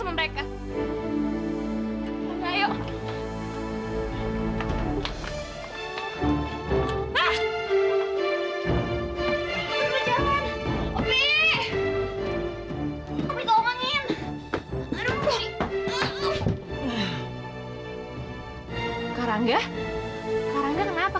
over armwol jika nggakgalau